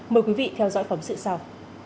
mời quý vị theo dõi phóng sự sau